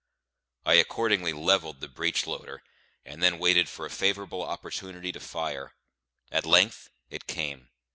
I accordingly levelled the breech loader, and then waited for a favourable opportunity to fire. At length it came.